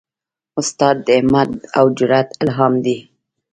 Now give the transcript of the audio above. استاد د همت او جرئت الهام دی.